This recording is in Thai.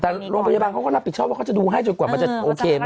แต่โรงพยาบาลเขาก็รับผิดชอบว่าเขาจะดูให้จนกว่ามันจะโอเคไหม